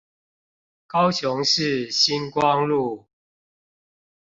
高雄市新光路